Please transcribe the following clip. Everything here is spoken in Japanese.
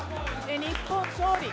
日本、勝利。